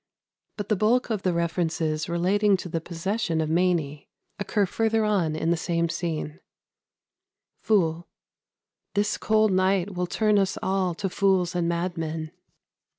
But the bulk of the references relating to the possession of Mainy occur further on in the same scene: "Fool. This cold night will turn us all to fools and madmen.